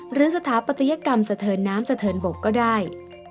สถาปัตยกรรมสะเทินน้ำสะเทินบกก็ได้